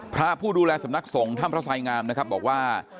พระผู้ดูแลสำนักสงฆ์ถ้ำพระสายงามนะครับบอกว่า